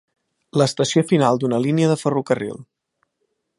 L'estació final d'una línia de ferrocarril.